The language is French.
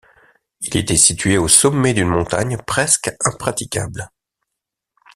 Il était situé au sommet d’une montagne presque impraticable.